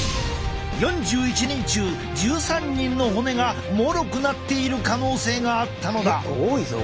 ４１人中１３人の骨がもろくなっている可能性があったのだ。